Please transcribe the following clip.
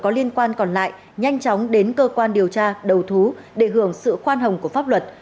có liên quan còn lại nhanh chóng đến cơ quan điều tra đầu thú để hưởng sự khoan hồng của pháp luật